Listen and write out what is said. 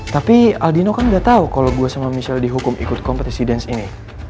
tapi aldino kan gatau kalo gue sama michelle dihukum ikut kompetisi dance ini